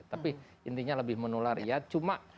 tapi intinya lebih menular ya cuma